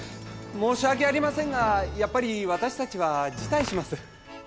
申し訳ありませんがやっぱり私たちは辞退します。